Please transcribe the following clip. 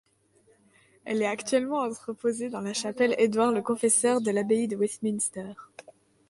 Elle est actuellement entreposée dans la chapelle Édouard le Confesseur de l’Abbaye de Westminster.